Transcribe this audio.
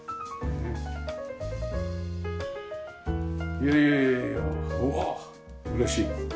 いやいやいやいやうわあ嬉しい。